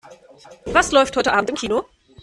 Was läuft heute Abend im Kino?